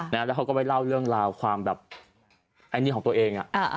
แล้วเขาก็ไปเล่าเรื่องราวความแบบไอ้นี่ของตัวเอง